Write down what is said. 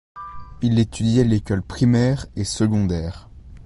Il étudie à l'école primaire et secondaire.